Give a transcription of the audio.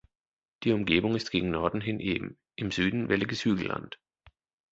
Die Umgebung ist gegen Norden hin eben, im Süden welliges Hügelland.